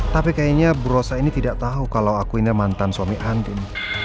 tapi kayaknya brosa ini tidak tahu kalau aku ini mantan suami andin